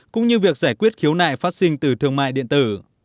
cũng như việc giải quyết khiếu nại phát sinh từ thương mại điện tử